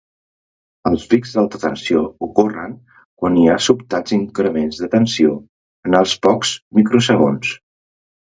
Els pics d'alta tensió ocorren quan hi ha sobtats increments de tensió en pocs microsegons.